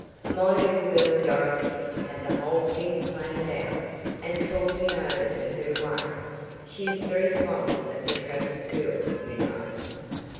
My little girl Dorothy had the whole thing planned out, and talked me over to her way. She is very fond of the Travers girl, you know."